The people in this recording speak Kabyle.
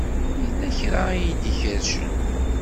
Yella kra i yi-d-ikerrcen.